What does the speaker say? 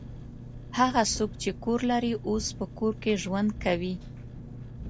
هغه څوک چې کور لري اوس په کور کې ژوند کوي.